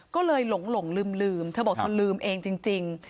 ก็เลยหลงลืมเธอบอกเธอลืมเองจริง